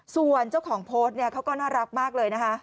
ส่วนเจ้าของโพสต์เนี่ยเขาก็น่ารักมากเลยนะคะ